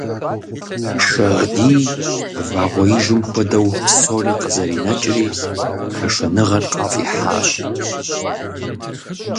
Шагъдий вагъуэижым хуэдэу псори къызэринэкӀри, пашэныгъэр къафӀихьащ.